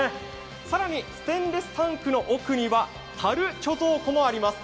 更にステンレスタンクの奥には樽貯蔵庫もあります。